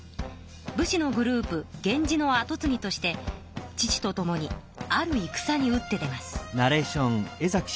武士のグループ源氏のあとつぎとして父とともにあるいくさに打って出ます。